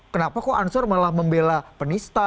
kenapa kok ansor malah membela penista